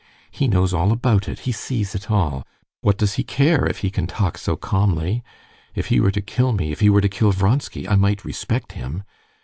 He knows all about it, he sees it all; what does he care if he can talk so calmly? If he were to kill me, if he were to kill Vronsky, I might respect him.